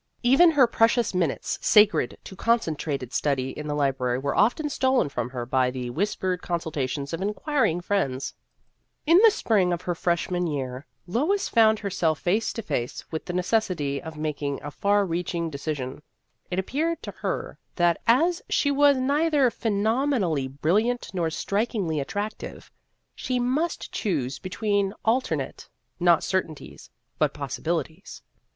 Even her precious minutes sacred to concentrated study in the library were often stolen from her by the whispered consultations of inquiring friends. In the spring of her freshman year, 36 Vassar Studies Lois found herself face to face with the necessity of making a far reaching deci sion. It appeared to her that, as she was neither phenomenally brilliant nor strik ingly attractive, she must choose between alternate not certainties, but possibilities.